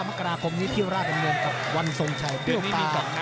๑๙มกราคมนี้เที่ยวราดเงินกับวันทรงชัยเตี้ยวป่า